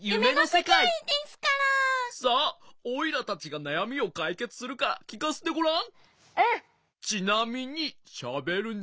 さあおいらたちがなやみをかいけつするからきかせてごらん。